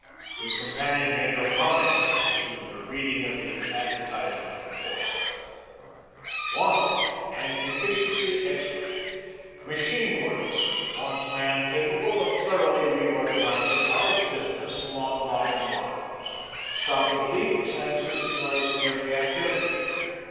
His companion made no comment, but resumed her reading of the advertisement before her: WANTED, an Efficiency Expert Machine works wants man capable of thoroughly reorganizing large business along modern lines, stopping leaks and systematizing every activity.